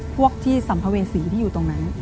พวกที่สัมภเวษีที่อยู่ตรงนั้น